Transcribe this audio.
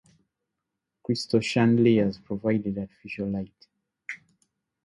Crystal chandeliers provided artificial light.